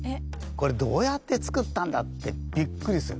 これどうやって作ったんだってびっくりする。